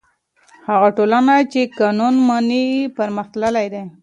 هغه ټولنه چې قانون مني پرمختللې ده.